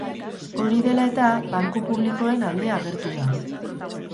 Hori dela eta, banku publikoen alde agertu da.